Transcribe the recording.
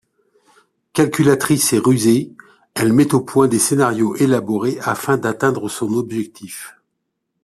Calculatrice et rusée, elle met au point des scénarios élaborés afin d'atteindre son objectif.